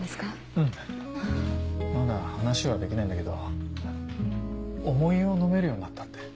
うんまだ話はできないんだけど重湯を飲めるようになったって。